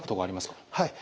はい。